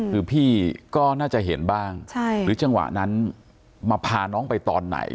คือพี่ก็น่าจะเห็นบ้างหรือจังหวะนั้นมาพาน้องไปตอนไหน